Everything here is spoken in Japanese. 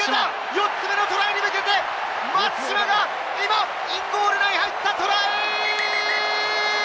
４つ目のトライに向けて松島が今、インゴールライン入った！トライ！